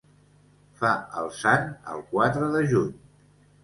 Fa el sant el quatre de juny.